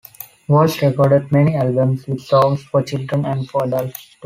Walsh recorded many albums with songs for children and for adults too.